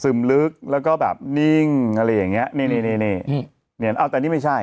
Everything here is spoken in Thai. ลึกแล้วก็แบบนิ่งอะไรอย่างเงี้ยนี่นี่เอาแต่นี่ไม่ใช่